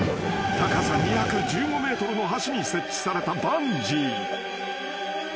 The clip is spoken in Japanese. ［高さ２１５ｍの橋に設置されたバンジー］